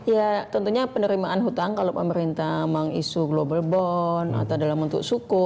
ya tentunya penerimaan hutang kalau pemerintah memang isu global bond atau dalam bentuk suku